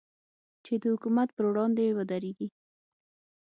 چې د حکومت پر وړاندې ودرېږي.